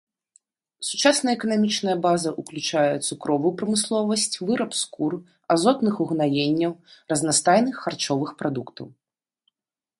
Сучасная эканамічная база ўключае цукровую прамысловасць, выраб скур, азотных угнаенняў, разнастайных харчовых прадуктаў.